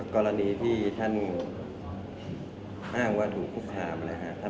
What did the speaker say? กรณีที่ท่านห้ามว่าถูกคุกคามเลยฮะ